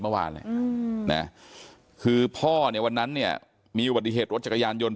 เมื่อวานแหละนะคือพ่อเนี่ยวันนั้นเนี่ยมีอุบัติเหตุรถจักรยานยนต